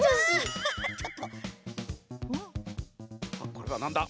これはなんだ？